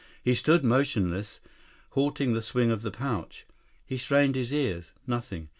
He stood motionless, halting the swing of the pouch. He strained his ears. Nothing.